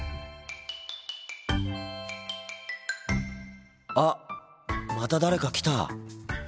心の声あっまた誰か来た！